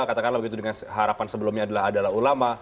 katakanlah begitu dengan harapan sebelumnya adalah ulama